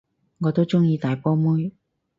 我都鍾意大波妹